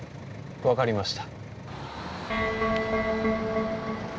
分かりました。